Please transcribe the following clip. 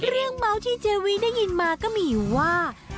เรื่องเมาท์ที่เจวีได้ยินมาก็มีว่า